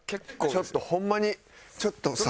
ちょっとホンマにちょっとさ。